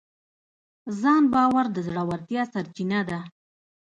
ځان باور د زړورتیا سرچینه ده.